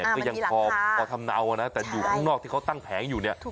ก็ยังพอทำเนานะแต่อยู่ข้างนอกที่เขาตั้งแผงอยู่เนี่ย